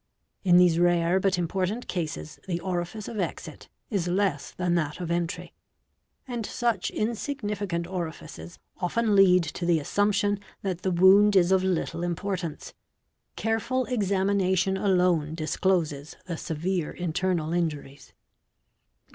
In these rare but important cases the orifice of exit is less than that of entry; and such insignificant orifices often lead to the assumption that the wound is of little impor tance; careful examination alone discloses the severe internal injuries.